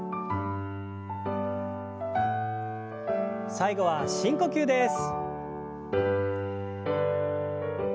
最後は深呼吸です。